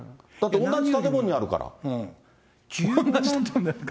同じ建物にあるからって。